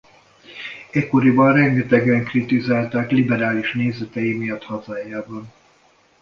Ekkoriban rengetegen kritizálták liberális nézetei miatt hazájában.